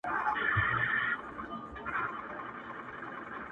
بار به سپک سي او هوسا سفر به وکړې؛